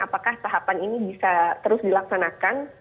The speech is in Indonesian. apakah tahapan ini bisa terus dilaksanakan